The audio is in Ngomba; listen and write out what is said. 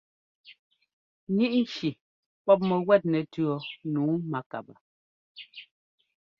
Ŋíʼ nci pɔ́p mɛguɛt nɛtʉ̈ɔ nǔu mákabaa.